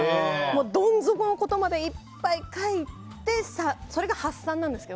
どん底のことまでいっぱい書いてそれが発散なんですよ。